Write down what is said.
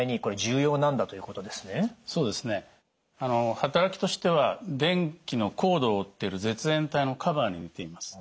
働きとしては電気のコードを覆ってる絶縁体のカバーに似ています。